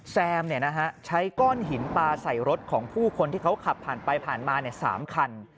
แซมใช้ก้อนหินปลาใส่รถของผู้คนที่เขาขับผ่านไปผ่านมา๓คัน